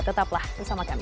tetaplah bersama kami